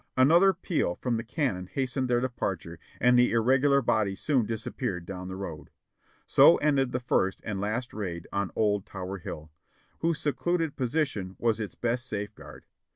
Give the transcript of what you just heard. Another peal from the cannon hastened their departure and the irregular body soon disappeared down the road. So ended the first and last raid on old Tower Hill, whose secluded position was its best safeguard.